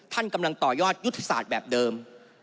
ท่านกำลังต่อยอดยุทธศาสตร์แบบเดิม